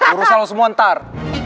urusan lo semua ntar